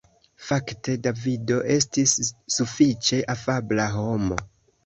Fakte Davido estis sufiĉe afabla homo.